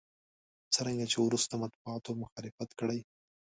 څرنګه چې وروسته مطبوعاتو مخالفت کړی.